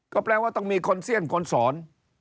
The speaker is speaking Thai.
ก็แปลว่าต้องมีคนเสี้ยนคนสอน